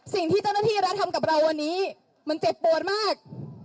สิ่งที่เจ้าหน้าที่รัฐทำกับเราวันนี้มันเจ็บปวดมาก